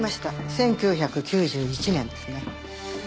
１９９１年ですね。